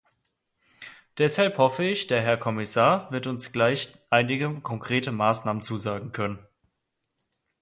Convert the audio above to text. Deshalb hoffe ich, der Herr Kommissar wird uns gleich einige konkrete Maßnahmen zusagen können.